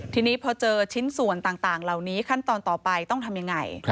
ทีนี้พอเจอชิ้นส่วนต่างเหล่านี้ขั้นตอนต่อไปต้องทำยังไง